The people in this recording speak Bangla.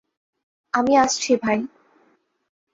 আমি আসছি, ভাই।